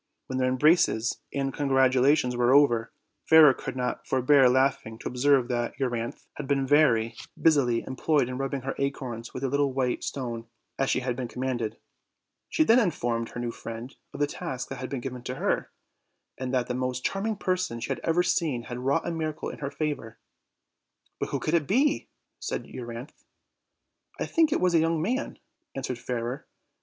When their embraces and congratulations were over, Fairer could not forbear laughing to observe that Euryauthe had been very 12 OLD, OLD FAIRY TALES. busily employed in rubbing her acorns with a littlo white stone, as she had been commanded. She then informed her new friend of the task that had been given her, and that tne most charming person she had ever seen had wrought a miracle in her favor. 'But who could it be?" said Euryanthe. "I think it was a young man," answered Fairer.